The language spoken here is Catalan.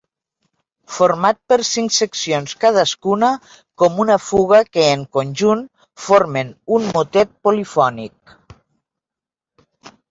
Format per cinc seccions cadascuna com una fuga que en conjunt formen un motet polifònic.